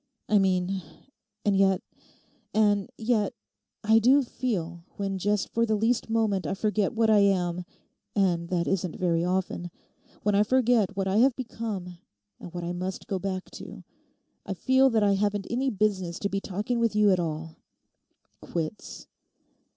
I mean... And yet, and yet, I do feel when just for the least moment I forget what I am, and that isn't very often, when I forget what I have become and what I must go back to—I feel that I haven't any business to be talking with you at all. "Quits!"